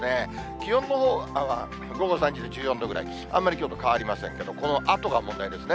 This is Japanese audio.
気温のほうは午後３時で１４度ぐらい、あんまりきょうと変わりませんけれども、このあとが問題ですね。